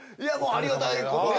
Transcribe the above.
ありがたいことで。